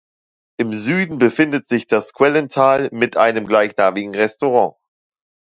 Im Süden befindet sich das Quellental mit einem gleichnamigen Restaurant.